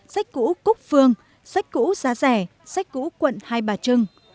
sách cũ cúc phương sách cũ giá rẻ sách cũ quận hai bà trưng